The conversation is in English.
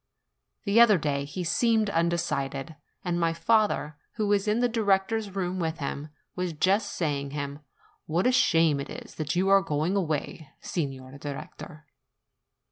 The other day he seemed undecided ; and my father, who was in the director's room with him, was just saying to him, "What a shame it is that you are going away, Signor Director!"